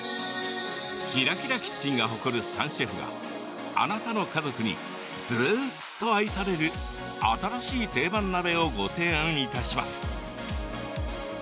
「ＫｉｒａＫｉｒａキッチン」が誇る３シェフがあなたの家族にずーっと愛される新しい定番鍋をご提案いたします。